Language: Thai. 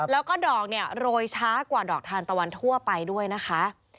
แล้วก็ดอกเนี่ยโรยช้ากว่าดอกทานตะวันทั่วไปด้วยนะคะ